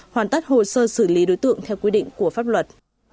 hoàn tất hồ sơ xử lý đối tượng theo quy định của pháp luật